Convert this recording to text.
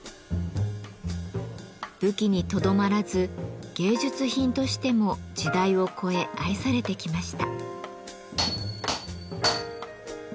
武器にとどまらず芸術品としても時代を超え愛されてきました。